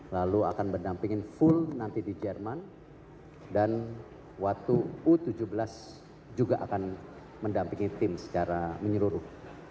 lalu akan mendampingin full nanti di jerman dan waktu u tujuh belas juga akan mendampingi tim secara menyeluruh